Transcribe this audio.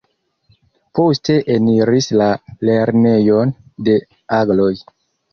Poste eniris la "Lernejon de Agloj".